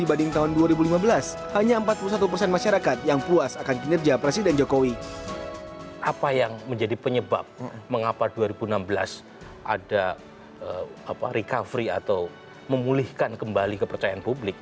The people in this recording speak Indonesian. apa yang menjadi penyebab mengapa dua ribu enam belas ada recovery atau memulihkan kembali kepercayaan publik